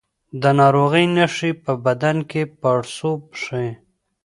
د ناروغۍ نښې په بدن کې پاړسوب ښيي.